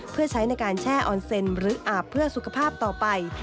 เพื่อใช้ในการแช่ออนเซ็นหรืออาบเพื่อสุขภาพต่อไป